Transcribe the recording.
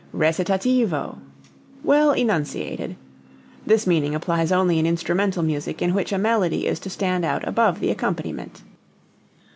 Recitativo well enunciated. (This meaning applies only in instrumental music in which a melody is to stand out above the accompaniment.